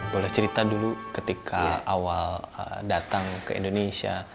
boleh cerita dulu ketika awal datang ke indonesia